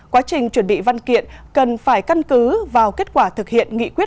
quá trình chuẩn bị văn kiện cần phải căn cứ vào kết quả thực hiện nghị quyết